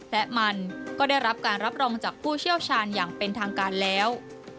และมันก็ได้รับการรับรองจากผู้เชี่ยวชาญอย่างเป็นทางการแล้ว